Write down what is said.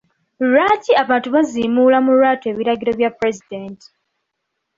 Lwaki abantu baziimuula mu lwatu ebiragiro by'pulezidenti?